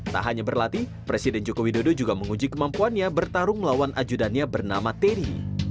tak hanya berlatih presiden jokowi dodo juga menguji kemampuannya bertarung melawan ajudannya bernama terry